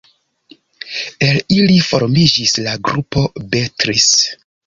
El ili formiĝis la grupo Beatles.